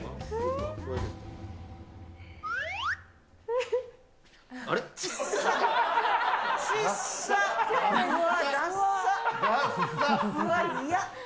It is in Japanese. うわ、いや。